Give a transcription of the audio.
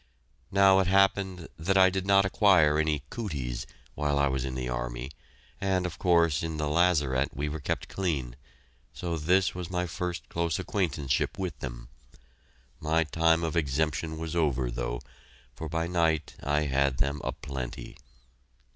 Now, it happened that I did not acquire any "cooties" while I was in the army, and of course in the lazaret we were kept clean, so this was my first close acquaintanceship with them. My time of exemption was over, though, for by night I had them a plenty.